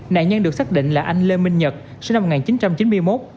nạn nhân được xác định là anh lê minh nhật sinh năm một nghìn chín trăm chín mươi một